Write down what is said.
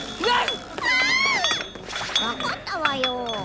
わかったわよ。